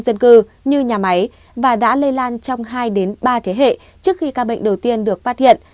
các nơi đông dân cư như nhà máy và đã lây lan trong hai ba thế hệ trước khi ca bệnh đầu tiên được phát hiện